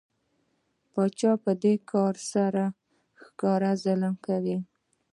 پاچا په دې کار سره ښکاره ظلم کوي.